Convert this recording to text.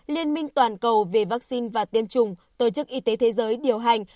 liên minh toàn cầu về vaccine và tiêm chủng tổ chức y tế thế giới điều hành